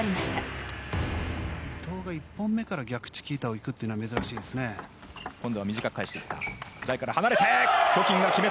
伊藤が１本目から逆チキータを行くというのは珍しいですね。